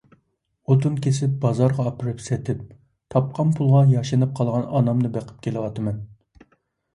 ئوتۇن كېسىپ بازارغا ئاپىرىپ سېتىپ، تاپقان پۇلغا ياشىنىپ قالغان ئانامنى بېقىپ كېلىۋاتىمەن.